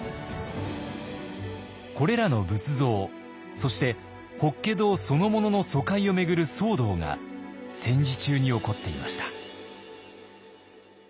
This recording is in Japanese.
これらの仏像そして法華堂そのものの疎開を巡る騒動が戦時中に起こっていました。